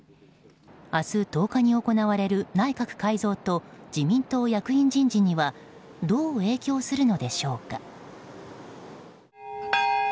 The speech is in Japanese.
明日１０日に行われる内閣改造と自民党役員人事にはどう影響するのでしょうか。